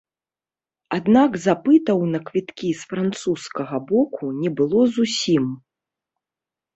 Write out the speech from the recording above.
Аднак запытаў на квіткі з французскага боку не было зусім.